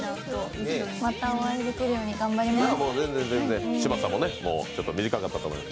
またお会いできるように頑張ります。